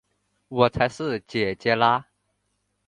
我才是姊姊啦！